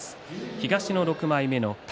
東の６枚目の尊